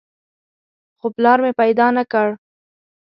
خو پلار مې پیدا نه کړ.